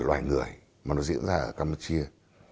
loài người mà nó diễn ra ở campuchia